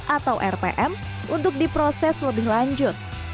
atau rpm untuk diproses lebih lanjut